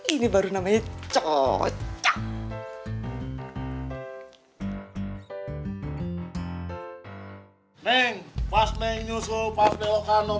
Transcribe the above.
ini baru namanya cocok